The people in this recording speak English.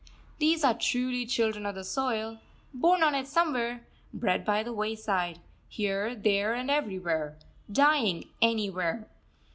These are truly children of the soil, born on it somewhere, bred by the wayside, here, there, and everywhere, dying anywhere.